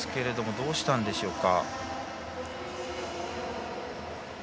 どうしたんでしょうか。